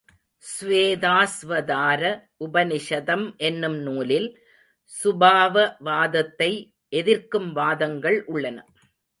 ஸ்வேதாஸ்வதார உபநிஷதம் என்னும் நூலில் சுபாவவாதத்தை எதிர்க்கும் வாதங்கள் உள்ளன.